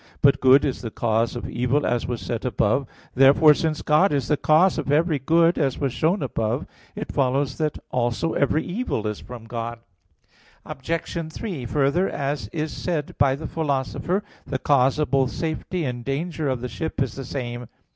But good is the cause of evil, as was said above (A. 1). Therefore, since God is the cause of every good, as was shown above (Q. 2, A. 3; Q. 6, AA. 1, 4), it follows that also every evil is from God. Obj. 3: Further, as is said by the Philosopher (Phys. ii, text 30), the cause of both safety and danger of the ship is the same.